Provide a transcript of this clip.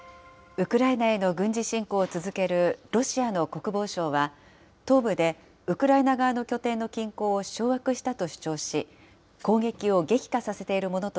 ウクライナへの軍事侵攻を続けるロシアの国防省は、東部でウクライナ側の拠点の近郊を掌握したと主張し、攻撃を激化